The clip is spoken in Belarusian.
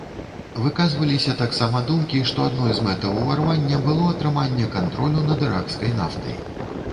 Выказваліся таксама думкі, што адной з мэтаў ўварвання было атрыманне кантролю над іракскай нафтай.